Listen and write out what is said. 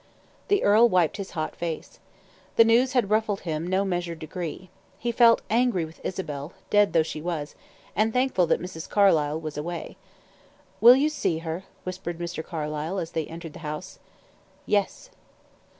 The earl wiped his hot face. The news had ruffled him no measured degree. He felt angry with Isabel, dead though she was, and thankful that Mrs. Carlyle was away. "Will you see her?" whispered Mr. Carlyle as they entered the house. "Yes."